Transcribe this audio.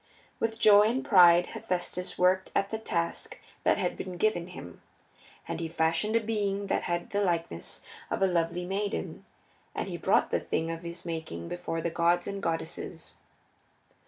With joy and pride Hephaestus worked at the task that had been given him, and he fashioned a being that had the likeness of a lovely maiden, and he brought the thing of his making before the gods and the goddesses.